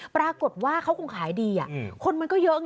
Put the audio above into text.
ปรากฏว่าเขาคงขายดีคนมันก็เยอะไง